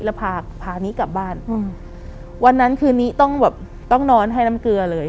แล้วพาพานี้กลับบ้านอืมวันนั้นคืนนี้ต้องแบบต้องนอนให้น้ำเกลือเลย